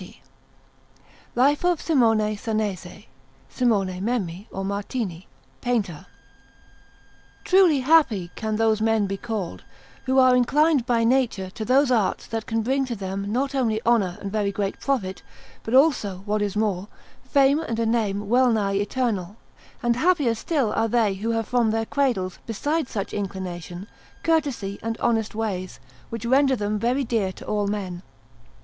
Lorenzo_)] LIFE OF SIMONE SANESE [SIMONE MEMMI OR MARTINI] PAINTER Truly happy can those men be called, who are inclined by nature to those arts that can bring to them not only honour and very great profit, but also, what is more, fame and a name wellnigh eternal, and happier still are they who have from their cradles, besides such inclination, courtesy and honest ways, which render them very dear to all men.